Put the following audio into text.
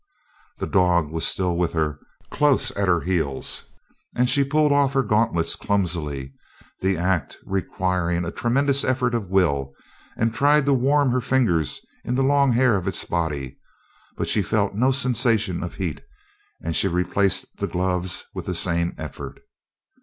The dog was still with her, close at her heels, and she pulled off her gauntlets clumsily, the act requiring a tremendous effort of will, and tried to warm her fingers in the long hair of its body; but she felt no sensation of heat and she replaced the gloves with the same effort.